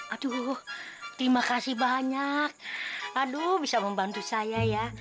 aduh terima kasih banyak aduh bisa membantu saya ya